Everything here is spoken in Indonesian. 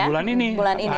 ini tantangan bulan ini